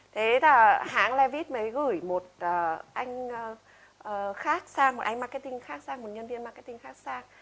thế là hãng levit mới gửi một anh khác sang một anh marketing khác sang một nhân viên marketing khác sang